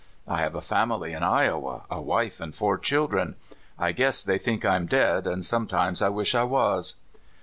I have a family in Iowa, a wife and four children. I guess they think I'm dead, and sometimes I wish I was."